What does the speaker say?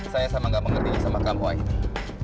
saya sama gak mengerti sama kamu aini